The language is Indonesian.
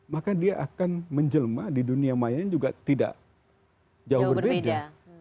maka dia akan menjelma di dunia maya yang juga tidak jauh berbeda